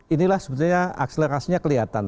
inilah sebenarnya akselerasinya kelihatan